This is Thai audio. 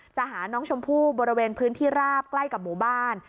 หาน้องชมพู่บริเวณพื้นที่ราบใกล้กับหมู่บ้าน